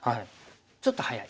ちょっと早い。